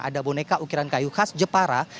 ada boneka ukiran kayu khas jepara